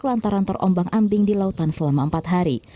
lantaran terombang ambing di lautan selama empat hari